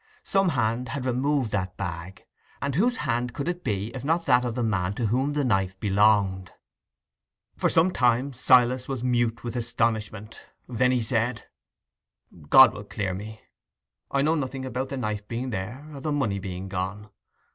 Some hand had removed that bag; and whose hand could it be, if not that of the man to whom the knife belonged? For some time Silas was mute with astonishment: then he said, "God will clear me: I know nothing about the knife being there, or the money being gone.